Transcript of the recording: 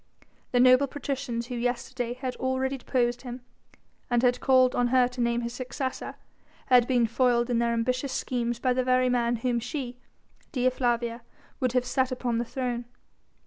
The noble patricians who yesterday had already deposed him, and had called on her to name his successor, had been foiled in their ambitious schemes by the very man whom she Dea Flavia would have set upon the throne.